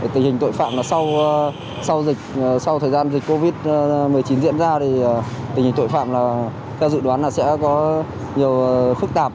tình hình tội phạm là sau dịch sau thời gian dịch covid một mươi chín diễn ra thì tình hình tội phạm là theo dự đoán là sẽ có nhiều phức tạp